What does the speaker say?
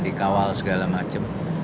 dikawal segala macam